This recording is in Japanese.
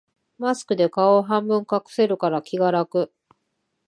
マスクで顔を半分隠せるから気が楽